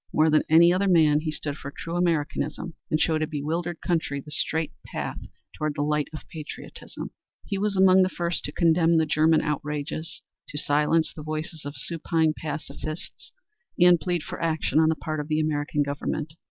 More than any other man he stood for true Americanism, and showed a bewildered country the straight path toward the light of patriotism. He was among the first to condemn the German outrages, to silence the voices of supine pacifists and plead for action on the part of the American Government.